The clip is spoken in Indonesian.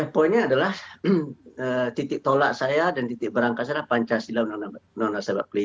poinnya adalah titik tolak saya dan titik berangkas saya adalah pancasila uu no lima